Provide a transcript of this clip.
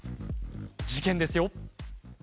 事件ですよ。